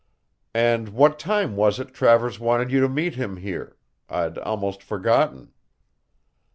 "And what time was it Travers wanted you to meet him here? I'd almost forgotten."